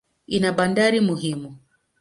Ina bandari muhimu.